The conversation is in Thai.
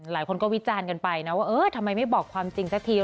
หลายคนก็วิจารณ์กันไปนะว่าเออทำไมไม่บอกความจริงสักที